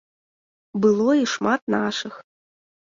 Было і шмат нашых.